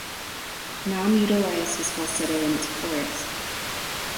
Nam utilized his falsetto in its chorus.